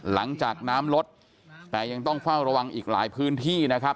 หลังจากน้ำลดแต่ยังต้องเฝ้าระวังอีกหลายพื้นที่นะครับ